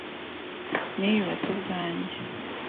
Niyubatse ubwanjye.